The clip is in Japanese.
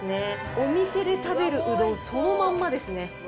お店で食べるうどん、そのまんまですね。